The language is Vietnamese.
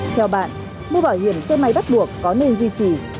theo bạn mua bảo hiểm xe máy bắt buộc có nên duy trì